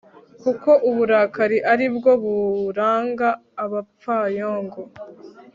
kuko uburakari ari bwo buranga abapfayongo